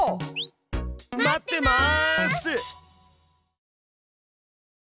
待ってます！